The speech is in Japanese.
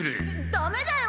ダメだよ。